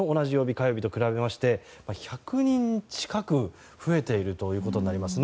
火曜日と比べまして１００人近く増えていることになりますね。